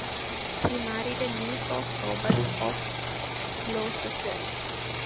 He married a niece of Robert of Gloucester.